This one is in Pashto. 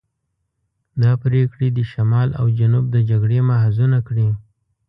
دا پرېکړې دې شمال او جنوب د جګړې محاذونه کړي.